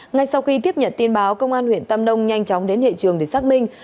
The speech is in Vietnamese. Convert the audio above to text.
ngay sau khi tiếp nhận tin báo công an huyện tam nông nhanh chóng đến hệ trường để xác minh